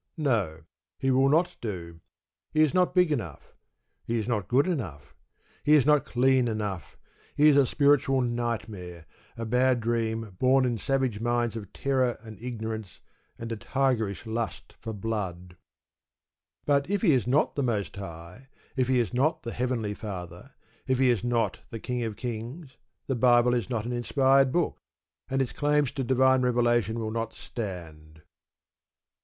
No. He will not do. He is not big enough. He is not good enough. He is not clean enough. He is a spiritual nightmare: a bad dream born in savage minds of terror and ignorance and a tigerish lust for blood. But if He is not the Most High, if He is not the Heavenly Father, if He is not the King of kings, the Bible is not an inspired book, and its claims to divine revelation will not stand.